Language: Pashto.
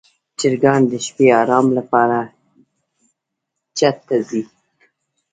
چرګان د شپې د آرام لپاره چت ته ځي.